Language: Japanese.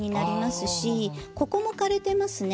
ここも枯れてますね。